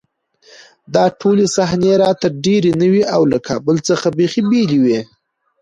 دا ټولې صحنې راته ډېرې نوې او له کابل څخه بېخي بېلې وې